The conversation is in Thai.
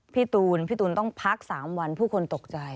พี่ตูนพี่ตูนต้องพัก๓วันผู้คนตกใจ